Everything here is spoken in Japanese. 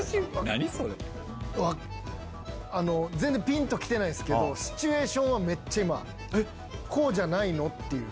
あっ、全然ぴんときてないですけど、シチュエーションはめっちゃ今、こうじゃないのっていう。